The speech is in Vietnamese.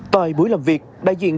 tại buổi làm việc đại diện